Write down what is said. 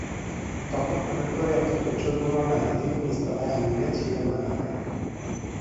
তখন হঠাৎ করে একটি পেট্রলবোমা বাইরে থেকে নিচতলার আঙিনায় ছুড়ে মারা হয়।